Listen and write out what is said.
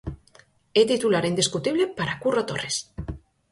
É titular indiscutible para Curro Torres.